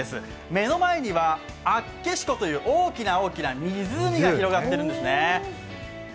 目の前には厚岸湖という大きな大きな湖が広がっているんですね。